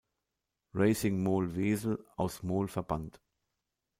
Racing Mol-Wezel" aus Mol verband.